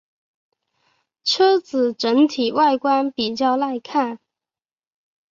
车子整体外观比较耐看。